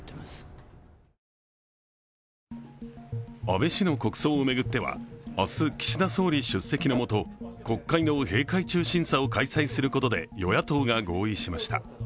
安倍氏の国葬を巡っては明日、岸田総理出席の下国会の閉会中審査を開催することで与野党が合意しました。